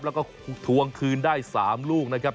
แล้วก็ทวงคืนได้๓ลูกนะครับ